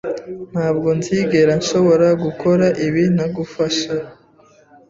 Ntabwo nzigera nshobora gukora ibi ntagufasha.